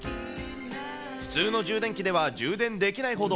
普通の充電器では充電できないほど、